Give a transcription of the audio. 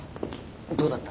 どうだった？